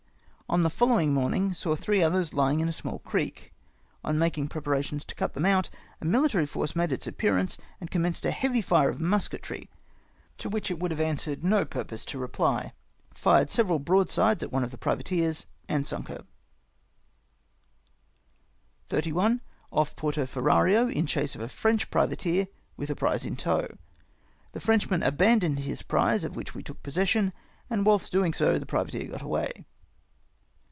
On the fol lowing morning saw three others lying in a small creek. On making preparations to cut them out, a military force made its appearance, and commenced a heavy fire of mus ketry, to which it would have answered no purpose to reply. Fired several broadsides at one of the privateers, and simk "31. — Off Porto Ferraio in chase of a French privateer, with a prize in tow. The Frenchman abandoned his prize, of which we took possession, and whilst so doing the privateer got away.